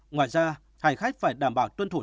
ngoài ra hành khách phải đảm bảo tuân thủ năm k